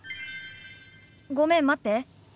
ごめん待って。